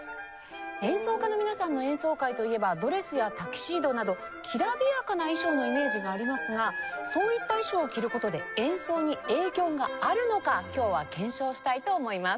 演奏家の皆さんの演奏会といえばドレスやタキシードなどきらびやかな衣装のイメージがありますがそういった衣装を着る事で演奏に影響があるのか今日は検証したいと思います。